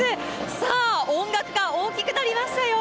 さあ、音楽が大きくなりましたよ。